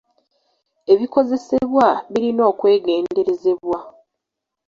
Ebikozesebwa birina okwegenderezebwa.